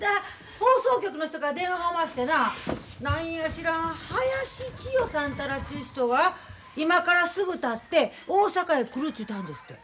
放送局の人から電話がおましてな何や知らん林千代さんたらちゅう人が今からすぐたって大阪へ来るちゅうてはんですって。